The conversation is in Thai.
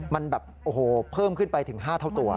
มันแบบโอ้โหเพิ่มขึ้นไปถึง๕เท่าตัว